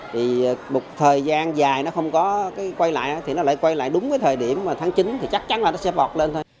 thì một thời gian dài nó không có quay lại thì nó lại quay lại đúng với thời điểm mà tháng chín thì chắc chắn là nó sẽ bọt lên thôi